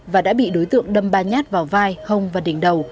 và đã bị đối tượng đâm ba nhát vào vai hông và đỉnh đầu